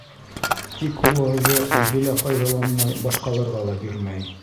Тик уларҙы үҙе лә файҙаланмай, башҡаларға ла бирмәй.